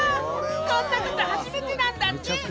こんなこと初めてなんだって！